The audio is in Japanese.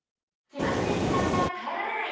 気まずい時間が耐えられない！